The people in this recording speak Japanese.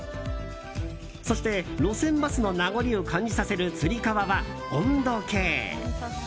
そして、路線バスの名残を感じさせるつり革は温度計。